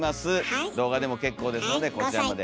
動画でも結構ですのでこちらまで。